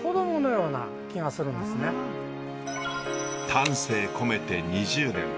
丹精込めて２０年。